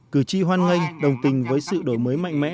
cử tri hoan nghênh đồng tình với sự đổi mới mạnh mẽ